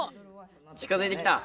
近づいてきた！